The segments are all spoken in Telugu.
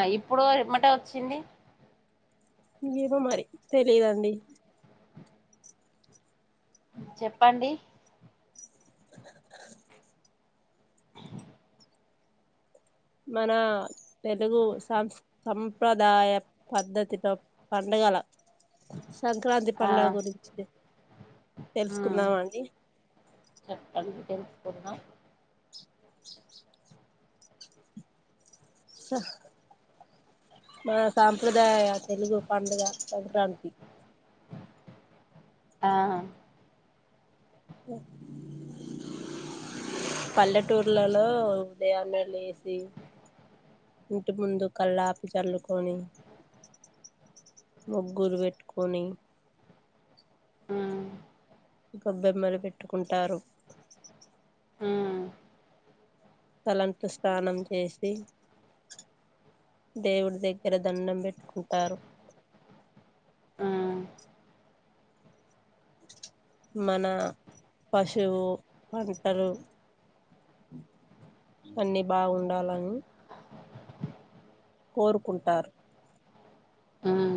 ఆ ఇప్పుడు రెమ్మటే వచ్చింది ఎదో మరి తెలియదండి చెప్పండి [unintelligible] [unintelligible] మన తెలుగు సమ్స్ సంప్రదాయ పద్ధతిలో పండుగల సంక్రాంతి ఆ పండుగ గురించి ఉమ్ తెలుసుకుందాం అండి కున్నాం [unintelligible] మన సాంప్రదాయ తెలుగు పండుగ సంక్రాంతి ఆహా ఏ పల్లెటూర్లలో ఉదయాన్నే లేసి ఇంటి ముందు కాళ్ళాపి జల్లుకొని ముగ్గులు పెట్టుకొని మ్మ్ గొబ్బెమ్మలు పెట్టుకుంటారు హ్మ్ తలంటు స్నానం చేసి దేవుని దగ్గర దండం పెట్టుకుంటారు ఉమ్ మన పశువు పంటలు అన్ని బాగుండాలని కోరుకుంటారు ఉమ్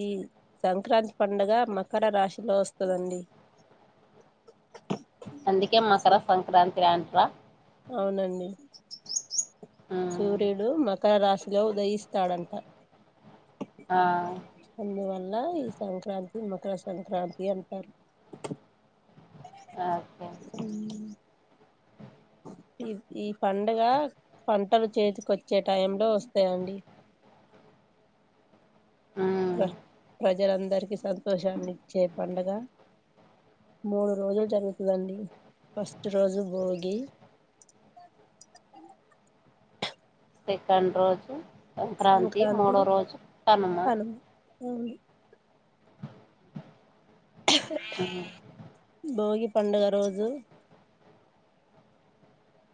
ఈ సంక్రాంతి పండగ మకర రాశిలో వస్తదండి అందుకే మకర సంక్రాంత్రి అంటరా అవునండి ఉమ్ సూర్యుడు మర్ కర రాశిలో ఉదయిస్తాడంట ఆ అందువల్ల ఈ సంక్రాంతి మకర సంక్రాంతి అంటారు ఓకే మ్మ్ ఈస్ ఈ పండుగ పంటలు చేతికొచ్చే టైమ్ లో వస్తాయండి అంతేనండి ప్ర ప్రజలందరికీ సంతోషాన్ని ఇచ్చే పండగ మూడు రోజులు జరుగుతదండి ఫస్ట్ రోజు భోగి సెకెండ్ రోజు సంక్రాంతి మూడో రోజు కనుమ అవును ఉమ్ భోగి పండుగ రోజు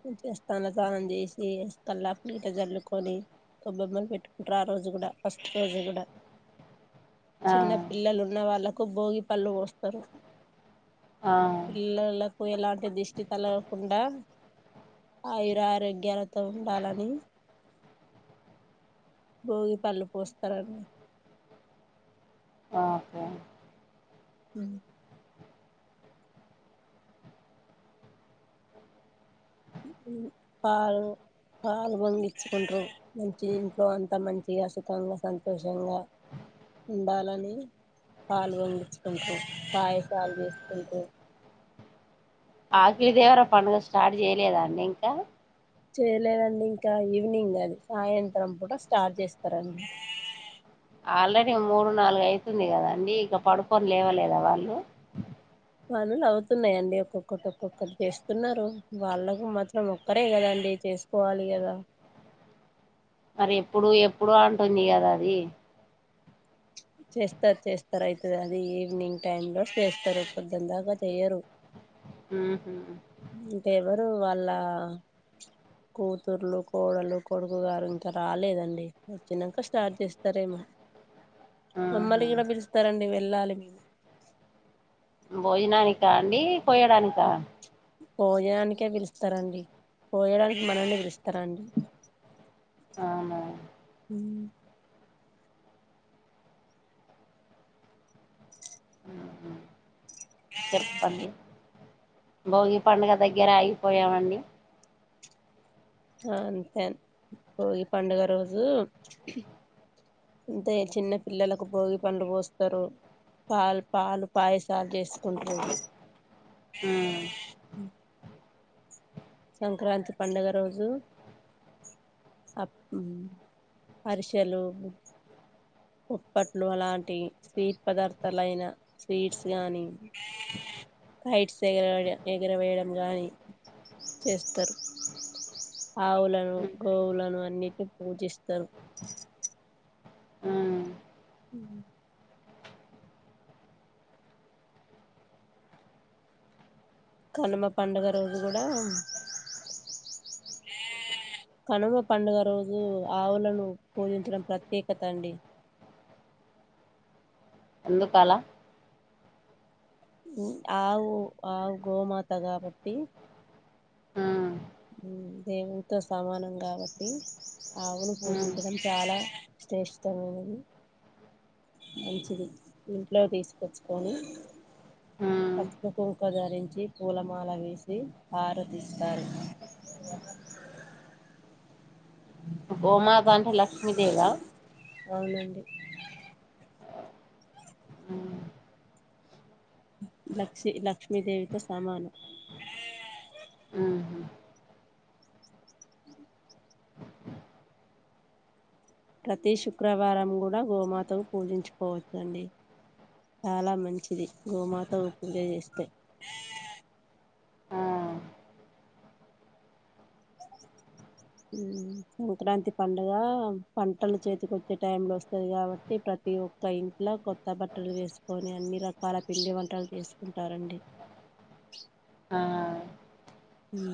మంచిగ తల స్నానం చేసి కల్లాప్ నీట జల్లుకొని కొొబ్బెమ్మలు పెట్టుకుంటారు ఆ రోజు కూడ ఫస్ట్ రోజు కూడా ఆ చిన్న పిల్లలు ఉన్న వాళ్లకు భోగి పళ్ళు పోస్తరు ఆ పిల్లలకు ఎలాంటి దిష్టి తలవకుండా ఆయుర ఆరోోగ్యాలతో ఉండాలని భోగి పళ్ళు పోస్తా రండి ఓకే అ పాలు పాలు పొంగించ్కుంట్రు మంచి ఇంట్లో అంతా మంచిగా సుఖంగా సంతోషంగా ఉండాలని పాలు పొంగించుకుంట్రు పాయసాలు చేసుకుంటూ ఆఖి దేవర పండుగ స్టార్ట్ చేయలేదా అండి ఇంకా చేయలేదండి ఇంకా ఈవినింగ్ అది సాయంత్రం పూట స్టార్ట్ చేస్తారండి ఆల్రెడీ మూడు నాలుగయితుంది కద అండి ఇంక పడుకొని లేవలేదా వాళ్ళు పనులు అవుతున్నాయంండి ఒక్కొక్కటి ఒక్కొక్కటి చేస్తున్నారు వాళ్ళకు మాత్రం ఒక్కరే కదండి డి చేసుకోవాలి కదా మరి ఎప్పుడు ఎప్పుడు అంటుంది కదా అది చేస్తార్ చేస్తరు అయితది అది ఈవినింగ్ టైమ్ లో చేస్తారు పొద్దున్ దాక చేయరు ఊహు ఇంక ఎవరు వాళ్ళ కూతుర్లు కోడలు కొడుకు గారు ఇంకా రాలేదండి వచ్చినాక స్టార్ట్ చేస్తారేమో మమ్మ ఉహు లీన పిలుస్తారంండి వెళ్ళాలి మేము భోజనానికా అండి కోయడానిక భోజనానికే పిలుస్తారంండి కోయడానికి మనల్ని పిలుస్తారా అండి అవునా అ ఉహు చెప్పండి భోగి పండగ దగ్గర ఆగిపోయామండి ఆ అంతే భోగి పండగ రోజు అంతే చిన్న పిల్లలకు భోగి పండు పోస్తారు తాల్ పాలు పాయసాలు చేసుకుంట్రు ఉమ్ సంక్రాంతి పండగ రోజు అ అరిషలు ఉప్పట్లు అలాంటి స్వీట్ పదార్థాలైన స్వీట్స్ గానీ హైట్స్ ఎరే ఎగరవేయడం గానీ చేస్తారు ఆవులను గోవులను అన్నిటిని పూజిస్తారు ఉమ్ ఉ కనుమ పండగ రోజు కూడా కనుమ పండగ రోజు ఆవులను పూజించడం ప్రత్యేకత అండి ఎందుకల ఆవు ఆవు గోమాత కాబట్టి ఉమ్ దేవుడితో సమానం కాబట్టి ఆవును ఉమ్ పూజించడం చాలా ఇేష్టమైనది [unintelligible] మంచిది ఇంట్లో తీసుకొచ్చుకొని ఉమ్ పసుక కుంక ధరించి పూలమాల వేసి ఆార తీస్తారు అ [unintelligible] గోమాతా అంట లక్ష్మీదేవా అవునండి ఉమ్ లక్ష్ీ లక్ష్మీదేవితో సమానం ఉహు ప్రతి శుక్రవారం కూడా గోమాతకు పూజించుకోవచ్చండి చాలా మంచిది గోమాతో ఉపిగ చేస్తే ఆ [unintelligible] సంక్రాంతి పండుగ పంటలు చేతికిొచ్చే టై లో వస్తది కాబట్టి ప్రతి ఒక్క ఇంట్లో కొత్త బట్టలు వేసుకొని అన్ని రకాల పిండి వంటలు చేసుకుంటారండి ఆా ఆ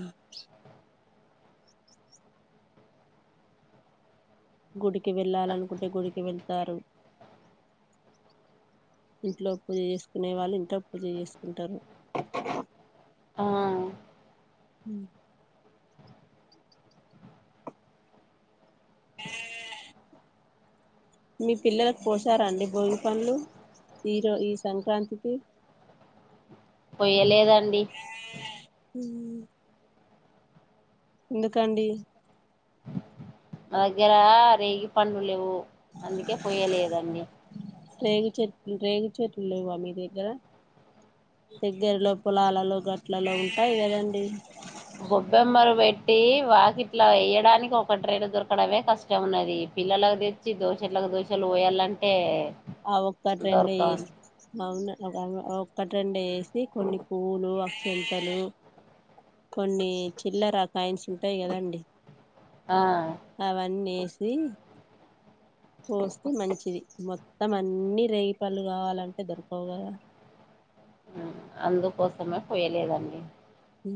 గుడికి వెళ్ళాలనుకుంటే గుడికి వెళ్తారు [unintelligible] ఇంట్లో పూజ చేసుకునే వాళ్ళు ఇంట్ పూజ చేసుకుంటారు ఆ ఉ [unintelligible] మీ పిల్లలకు పోశారంండి భోగి పనులు ఈరో ఈ సంక్రాంతికి పయ్యలేదాండి హ ఎందుకండి మా దగ్గర రేగి పండు లేవు అందుకే పోయలేదండి రేచట్ రేగచేట్టు లెవా మీ దగ్గర దగ్గరలో పొలాలలో గట్లలో ఉంటాయి కదండి టి వాకిట్లా వేయ్యడానికి ఒక ట్రైన్ దొరకడమే కష్టం ఉన్నది పిల్లలకు తెచ్చి దోశట్లకు ప్రదోషాలు పోయాలంటే ఆ ఒక్కటి రెండు దొరకవండి అవునా ఒకటి రెండు వేసి కొన్ని పూవలు ఆ చెంతలు కొన్ని చిల్లర కాయిన్స్ ఉంటాయి కదండి ఆ అవన్నీ వేసి పోస్తే మంచిది మొత్తం అన్నిీ రేపలు కావాలంటే దొరకవు కదా అందుకోసమే పోయలేదండి హ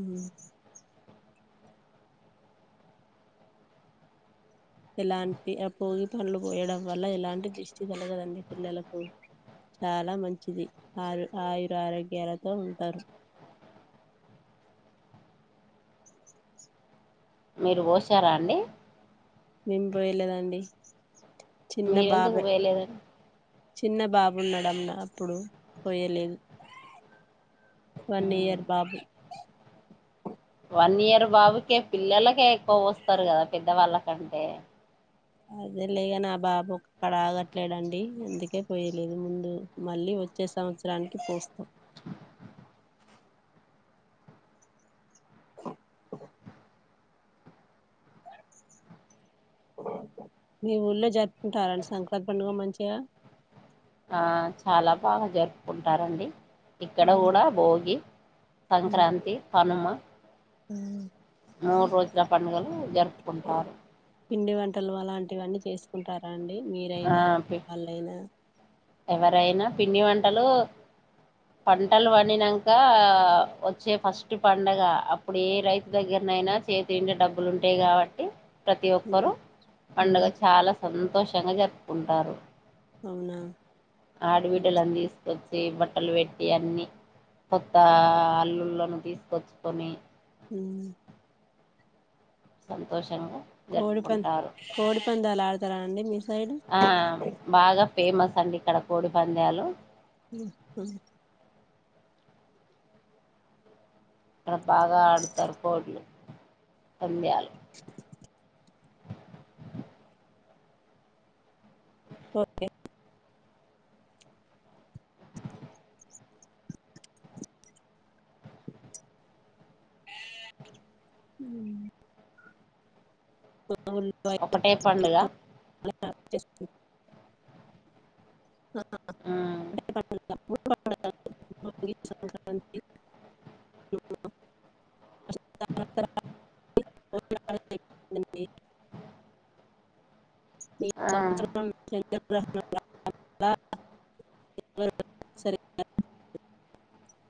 ఎలాంటి పోగి పనులు పోయడం వల్ల ఎలాంటి దృష్టి కలగదండి పిల్లలకు చాలా మంచిది ఆయు ఆయుర ఆరోగ్యాలతో ఉంటారు [unintelligible] మీరు పోశారా అండి మేం పోయలేదాండి మీరెందుకు పోయలేదండి చిన్న బాబున్నాడమ్న అప్పుడు పోయలేదు వన్ ఉమ్. ఇయర్ బాబు వన్ ఇయర్ బాబుకే పిల్లలకే ఎక్కువ వస్తారు కదా పెద్దవాళ్ళకంటే అదే లేగా నా బాబు ఒ అక్కడ ఆగట్లేడంండి అందుకే పోయలేదు ముందు మళ్ళీ వచ్చే సంవత్సరానికి పోూస్తాం మీ ఊర్లో జరుపుకుంటారండి సంక్రాంతి పండుగ మంచిగా ఆ చాలా బాగా జరుపుకుంటారండి ఇక్కడ కూడా భోగి సంక్రాంతి పనుమ అవును మూడు రోజుల పండుగలు జరుపు పిండి వంటలు అలాంటివన్నీ చేసుకుంటారా అండి ఆ, మీరైనా మీ పి- పళ్ళయినా ఎవరైనా పిండి వంటలు పంటలు పండినాక వచ్చే ఫస్ట్ పండగ అప్పుడు ఏ రైతు దగ్గర యినా చేతింటే డబ్బులు ఉంటాయి కాబట్టి ప్రతి ఒక్కరుూ పండుగ ఉమ్ చాలా సంతోషంగా జరుపుకుంటారు అవునా ఆడబిడ్డలన్న తీసుకోవచ్చు వచ్చ బట్టలు పెట్టి అన్ని కొత్త అల్లుల్లోను తీసుకొచ్చుకొని అ సంతోషంగా కోడిప జరుపుకుంటారు కోడిపందాలు ఆడుతారా అండి మీ సైడ్ ఆ బాగా ఫేమస్ అండి ఇక్కడ కోడి పందలు సే అడ బాగా ఆడుతారు కోడ్లు పందలు ఓకే హ ఒకటే పండుగ స చే సంక్రాంతి త్ర చెప్పడి [unintelligible] ఆ సముద్ర్ర [unintelligible] సరే